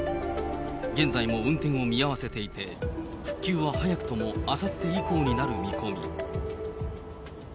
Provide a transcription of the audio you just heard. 現在も運転を見合わせていて、復旧は早くともあさって以降になる見込み。